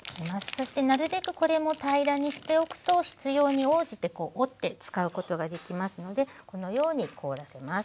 そしてなるべくこれも平らにしておくと必要に応じて折って使うことができますのでこのように凍らせます。